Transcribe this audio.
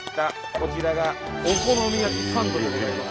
こちらがお好み焼きサンドでございます。